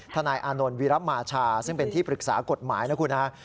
นายอานนท์วิรมาชาซึ่งเป็นที่ปรึกษากฎหมายนะคุณฮะ